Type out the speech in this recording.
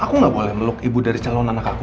aku gak boleh meluk ibu dari calon anak aku